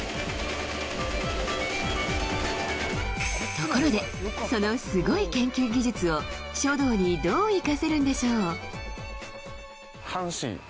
ところでそのすごい研究技術を書道にどう生かせるんでしょう？